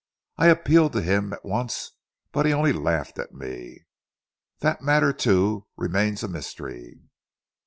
I appealed to him at once but he only laughed at me. That matter, too, remains a mystery."